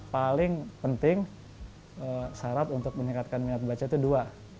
paling penting syarat untuk meningkatkan minat baca itu dua